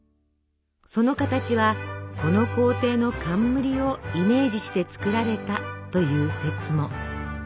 その形はこの皇帝の冠をイメージして作られたという説も。